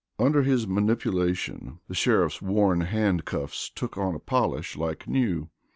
Under his manipulation the sheriff's worn handcuffs took on a polish like new.